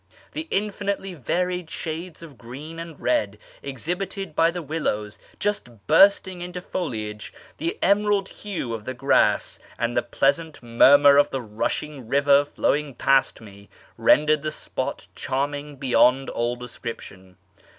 The infinitely varied shades of green and red exhibited by the willows, just bursting into foliage, the emerald hue of the grass, and the pleasant murmur of the rushing river flowing past me, rendered the spot charming beyond all description.